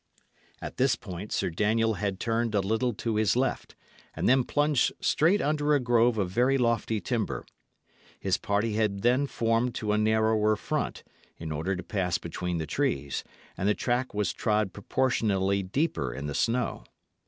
At this point Sir Daniel had turned a little to his left, and then plunged straight under a grove of very lofty timber. His party had then formed to a narrower front, in order to pass between the trees, and the track was trod proportionally deeper in the snow.